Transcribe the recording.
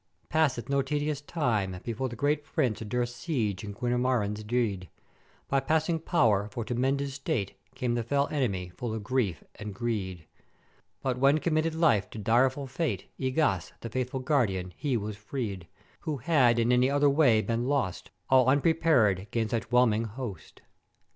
"Passeth no tedious time, before the great Prince a dure Siege in Guimaraens dree'd by passing pow'er, for to 'mend his state, came the fell en'emy, full of grief and greed: But when committed life to direful Fate, Egas, the faithful guardian, he was free'd, who had in any other way been lost, all unpreparèd 'gainst such 'whelming host.